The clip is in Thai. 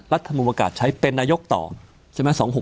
รัฐมนุนประกาศใช้เป็นนายกต่อใช่ไหม